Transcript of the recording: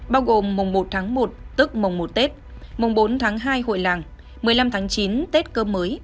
bao gồm mùng một tháng một tức mùng một tết mùng bốn tháng hai hội làng một mươi năm tháng chín tết cơm mới